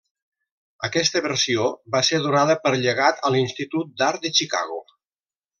Aquesta versió va ser donada per llegat a l'Institut d'Art de Chicago.